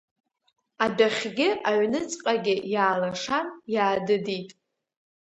Адәахьгьы аҩныҵҟагьы иаалашан, иаадыдит.